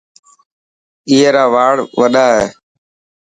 اي را واڙ وڏا هي.